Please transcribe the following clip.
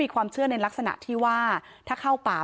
เพราะพ่อเชื่อกับจ้างหักขาวโพด